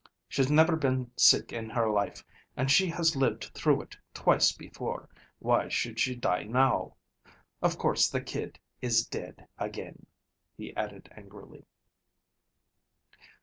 She's never been sick in her life, and she has lived through it twice before, why should she die now? Of course the kid is dead again," he added angrily.